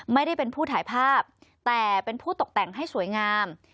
ไม่ได้เป็นผู้ถ่ายภาพแต่เป็นผู้ตกแต่งให้สวยงาม